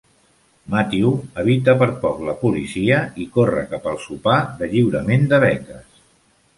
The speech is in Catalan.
Matthew evita per poc la policia i corre cap al sopar de lliurament de beques.